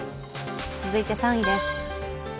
続いて３位です。